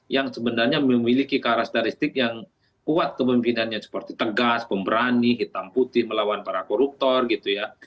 yang sebenarnya memiliki karakteristik yang kuat kemimpinannya seperti tegas pemberani hitam putih melawan para koruptor gitu ya